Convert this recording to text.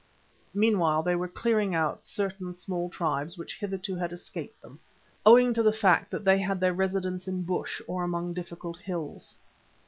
Meanwhile they were cleaning out certain small tribes which hitherto had escaped them, owing to the fact that they had their residence in bush or among difficult hills.